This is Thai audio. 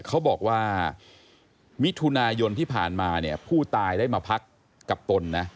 เขาบอกว่ามิถุนายนที่ผ่านมาเนี่ยผู้ตายได้มาพักกับตนนะ